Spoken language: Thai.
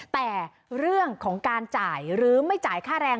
แต่เรื่องของการจ่ายหรือไม่จ่ายค่าแรง